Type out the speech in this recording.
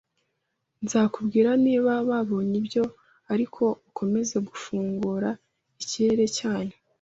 Nzakubwira niba babonye ibyo. Ariko ukomeza gufungura ikirere cyanyu